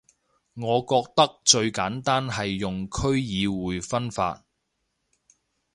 我覺得最簡單係用區議會分法